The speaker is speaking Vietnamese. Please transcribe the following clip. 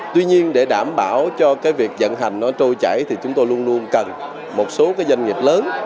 tuy nhiên để đảm bảo cho cái việc dẫn hành nó trôi chảy thì chúng tôi luôn luôn cần một số cái doanh nghiệp lớn